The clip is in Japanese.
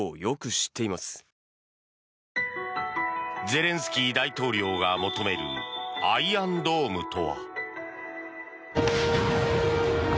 ゼレンスキー大統領が求めるアイアンドームとは。